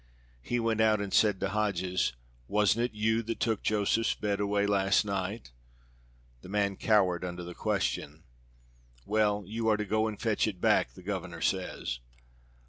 He went out and said to Hodges, "Wasn't it you that took Josephs' bed away last night?" The man cowered under the question. "Well, you are to go and fetch it back, the governor says."